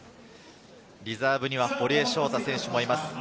リザーブには堀江翔太選手もいます。